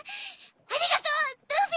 ありがとうルフィ。